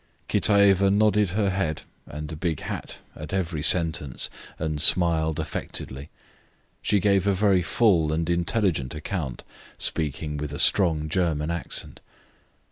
Kitaeva nodded her head and the big hat at every sentence and smiled affectedly. She gave a very full and intelligent account, speaking with a strong German accent.